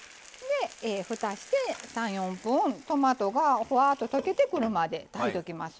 ふたして３４分トマトがほわっと溶けてくるまで炊いときます。